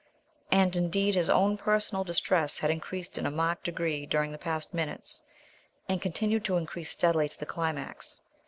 And, indeed, his own personal distress had increased in a marked degree during the past minutes, and continued to increase steadily to the climax.